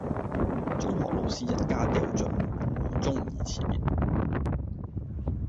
中學老師一家掉進湖中而辭別